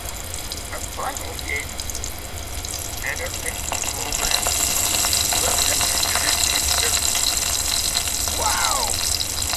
A puzzle game and a paint program were built into the system.